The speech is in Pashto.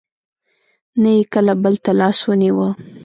نه یې کله بل ته لاس ونېوه.